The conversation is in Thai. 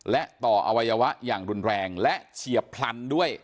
และต่ออวัยวะอย่างรุนแรงและเฉียบพลันด้วย